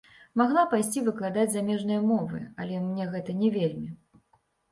Магла пайсці выкладаць замежныя мовы, але мне гэта не вельмі.